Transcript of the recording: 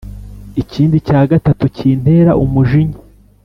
ikindi cya gatatu kintera umujinya: